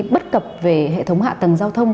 bất cập về hệ thống hạ tầng giao thông